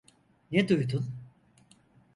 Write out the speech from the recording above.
Ne duydun?